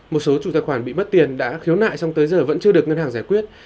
một số chủ tài khoản bị mất tiền đã khiếu nại xong tới giờ vẫn chưa được ngân hàng giải quyết